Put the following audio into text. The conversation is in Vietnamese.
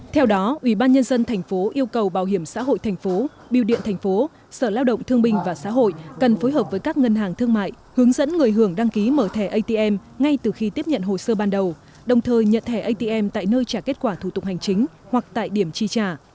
theo đó ubnd tp yêu cầu bảo hiểm xã hội thành phố biểu điện thành phố sở lao động thương binh và xã hội cần phối hợp với các ngân hàng thương mại hướng dẫn người hưởng đăng ký mở thẻ atm ngay từ khi tiếp nhận hồ sơ ban đầu đồng thời nhận thẻ atm tại nơi trả kết quả thủ tục hành chính hoặc tại điểm chi trả